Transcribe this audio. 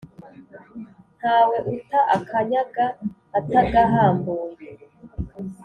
Ntawe uta akanyaga atagahambuye.